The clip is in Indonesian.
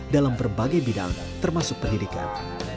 dalam berbagai bidang termasuk pendidikan